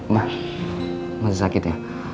ma masih sakit ya